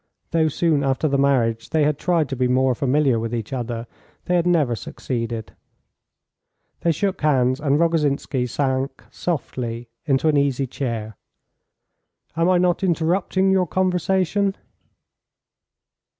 (Though, soon after the marriage, they had tried to be more familiar with each other, they had never succeeded.) They shook hands, and Rogozhinsky sank softly into an easy chair. "Am I not interrupting your conversation?"